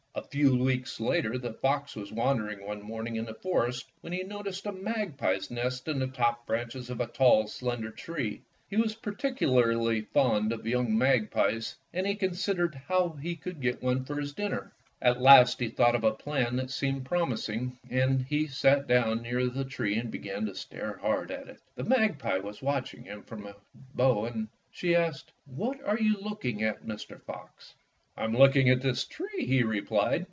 A few weeks later the fox was wandering one morning in the forest when he noticed a magpie's nest in the top branches of a tall, slender tree. He was particularly fond of young magpies, and he considered how he could get one for his dinner. At last he Fairy Tale Foxes 127 thought of a plan that seemed promising, and he sat down near the tree and began to stare hard at it. The magpie was watching him from a bough, and she asked, ''What are you look ing at, Mr. Fox?" "I'm looking at this tree," he replied.